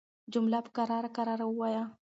جمله په کراره کراره وايه